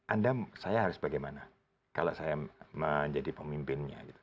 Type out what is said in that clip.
anda saya harus bagaimana kalau saya menjadi pemimpinnya gitu